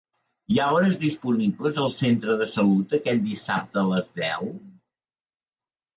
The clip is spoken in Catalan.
Hi ha hores disponibles al centre de salut aquest dissabte a les deu.